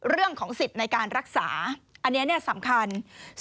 เรื่องของสิทธิ์ในการรักษาอันนี้สำคัญ